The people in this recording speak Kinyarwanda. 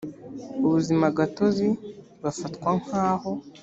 ubuzimagatozi bafatwa nk aho